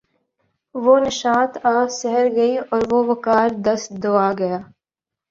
وہ نشاط آہ سحر گئی وہ وقار دست دعا گیا